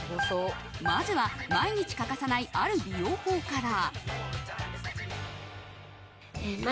まずは毎日欠かさないある美容法から。